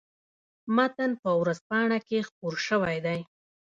متن په ورځپاڼه کې خپور شوی دی.